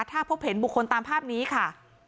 ถ้าพบเห็นบุคคลตามภาพนี้ค่ะ